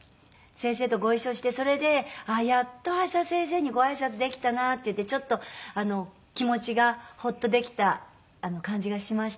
先生とご一緒してそれでやっと橋田先生にごあいさつできたなっていってちょっと気持ちがホッとできた感じがしました。